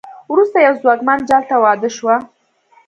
وروسته یوه ځواکمن جال ته واده شوه.